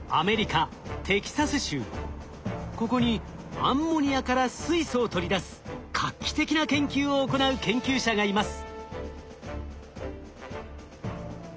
ここにアンモニアから水素を取り出す画期的な研究を行う研究者がいます。